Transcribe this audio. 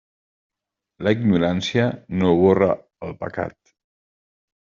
La ignorància no borra el pecat.